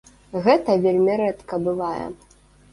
Гэта вельмі рэдка бывае.